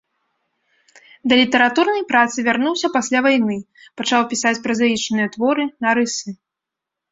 Да літаратурнай працы вярнуўся пасля вайны, пачаў пісаць празаічныя творы, нарысы.